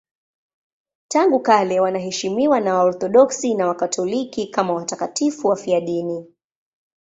Tangu kale wanaheshimiwa na Waorthodoksi na Wakatoliki kama watakatifu wafiadini.